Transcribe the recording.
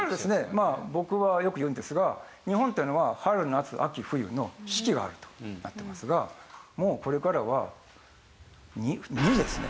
まあ僕はよく言うんですが日本っていうのは春夏秋冬の四季があるとなってますがもうこれからは２２ですね。